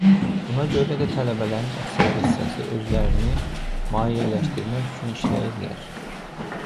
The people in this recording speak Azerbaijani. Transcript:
Buna görə də tələbələrin əksər hissəsi özlərini maliyyələşdirmək üçün işləyirlər.